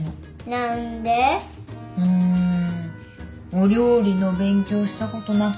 お料理の勉強したことなくて。